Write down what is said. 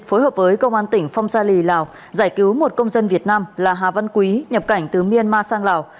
phối hợp với công an tỉnh phong sa lì lào giải cứu một công dân việt nam là hà văn quý nhập cảnh từ myanmar sang lào